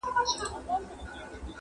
پاچهي به هيچا نه كړل په كلونو-